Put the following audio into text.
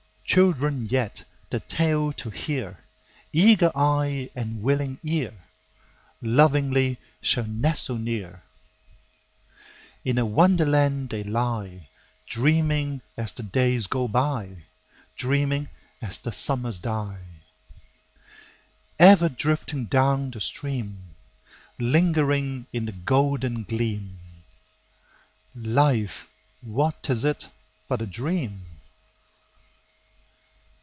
Children yet, the tale to hear, Eager eye and willing ear, Lovingly shall nestle near. In a Wonderland they lie, Dreaming as the days go by, Dreaming as the summers die: Ever drifting down the stream— Lingering in the golden gleam— Life, what is it but a dream?